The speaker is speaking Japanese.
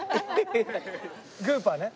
グーパーね。